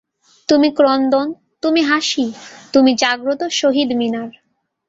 তুমি ক্রন্দন, তুমি হাসি, তুমি জাগ্রত শহীদ মিনার।